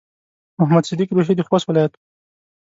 محمد صديق روهي د خوست ولايت و.